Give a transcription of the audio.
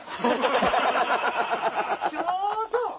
ちょうど！